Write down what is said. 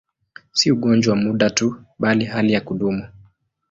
Si ugonjwa wa muda tu, bali hali ya kudumu.